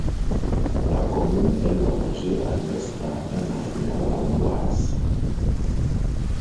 La commune est longée à l'ouest par un affluent de l'Oise.